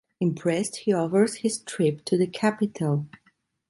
Impressed, he offers his trip to the capital.